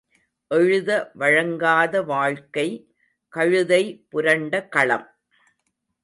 எழுத வழங்காத வாழ்க்கை கழுதை புரண்ட களம்.